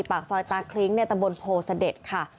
ปากซอยตาคลิ้งในตะบนโพสเด็ดค่ะ